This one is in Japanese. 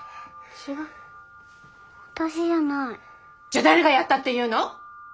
じゃあ誰がやったっていうの！